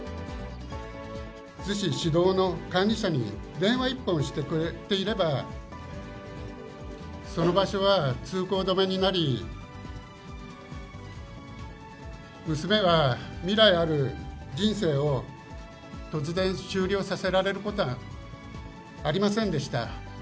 逗子市道の管理者に電話１本してくれていれば、その場所は通行止めになり、娘が未来ある人生を突然、終了させられることはありませんでした。